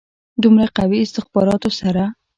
دومره قوي استخباراتو سره.